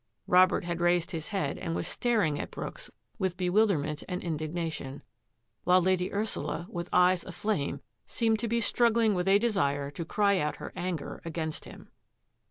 Robert had raised his head and was star ing at Brooks with bewilderment and indignation ; while Lady Ursula, with eyes aflame, seemed to be struggling with^ a desire to cry out her anger against him.